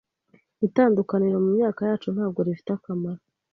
Itandukaniro mumyaka yacu ntabwo rifite akamaro.